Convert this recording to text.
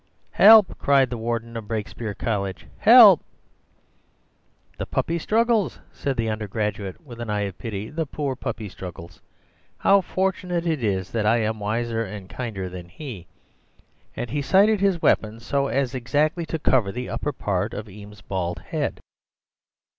"'Help!' cried the Warden of Brakespeare College; 'help!' "'The puppy struggles,' said the undergraduate, with an eye of pity, 'the poor puppy struggles. How fortunate it is that I am wiser and kinder than he,' and he sighted his weapon so as exactly to cover the upper part of Eames's bald head.